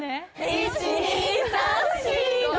１２３４５６・